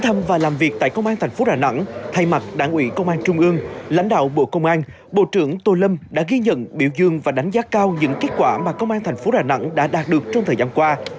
thăm và làm việc tại công an thành phố đà nẵng thay mặt đảng ủy công an trung ương lãnh đạo bộ công an bộ trưởng tô lâm đã ghi nhận biểu dương và đánh giá cao những kết quả mà công an thành phố đà nẵng đã đạt được trong thời gian qua